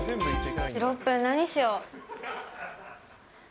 ６分、何しよう？